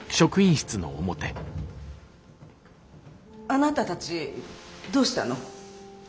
あなたたちどうしたの？